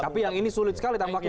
tapi yang ini sulit sekali tampaknya